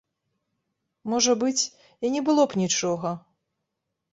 Можа быць, і не было б нічога.